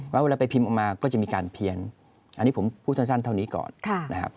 แล้วเวลาไปพิมพ์ออกมาก็จะมีการเพียนอันนี้ผมพูดสั้นเท่านี้ก่อนนะครับ